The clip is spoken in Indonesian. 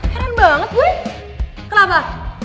keren banget gue kenapa